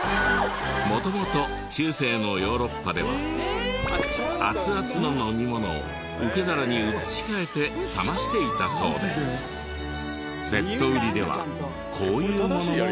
元々中世のヨーロッパでは熱々の飲み物を受け皿に移し替えて冷ましていたそうでセット売りではこういうものもあるそうです。